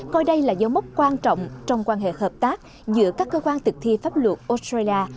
coi đây là dấu mốc quan trọng trong quan hệ hợp tác giữa các cơ quan thực thi pháp luật australia